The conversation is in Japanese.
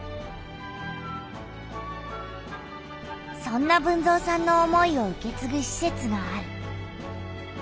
そんな豊造さんの思いを受けつぐしせつがある。